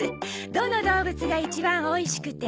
「どのどうぶつが一番おいしくて」